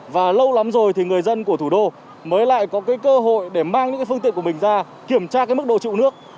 và lâu lắm rồi thì người dân của thủ đô mới lại có cơ hội để mang những phương tiện của mình ra kiểm tra mức độ trụ nước